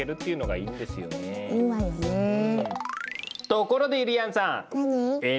ところでゆりやんさん！何？